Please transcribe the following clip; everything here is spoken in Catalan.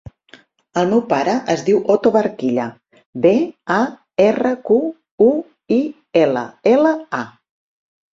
El meu pare es diu Oto Barquilla: be, a, erra, cu, u, i, ela, ela, a.